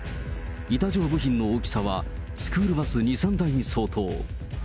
板状部品の大きさはスクールバス２、３台に相当。